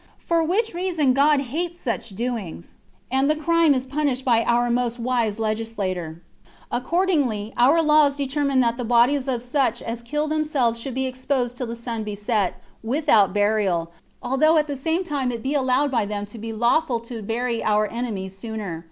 for which reason God hates such doings, and the crime is punished by our most wise legislator. Accordingly, our laws determine that the bodies of such as kill themselves should be exposed till the sun be set, without burial, although at the same time it be allowed by them to be lawful to bury our enemies [sooner].